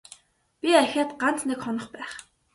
Би ахиад ганц нэг хонох байх.